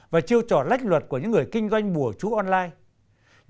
và chiêu trò lách luật của những người kinh doanh bùa chú online